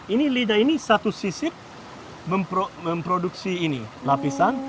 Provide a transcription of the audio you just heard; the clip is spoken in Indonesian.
ini lidah ini satu sisip memproduksi ini lapisan